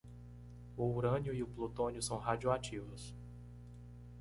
O urânio e o plutônio são radioativos.